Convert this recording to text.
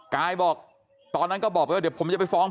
กายบอกตอนนั้นก็บอกเดี๋ยวผมจะไปฟ้องพ่อ